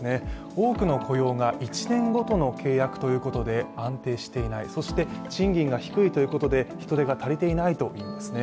多くの雇用が１年ごとの契約だということで安定していない、そして賃金が低いということで人手が足りていないといいますね。